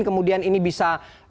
kemudian ini bisa